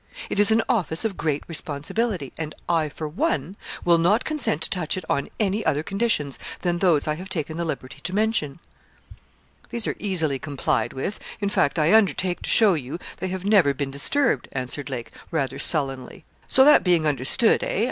It is an office of great responsibility, and I for one will not consent to touch it on any other conditions than those I have taken the liberty to mention.' 'These are easily complied with in fact I undertake to show you they have never been disturbed,' answered Lake, rather sullenly. 'So that being understood eh?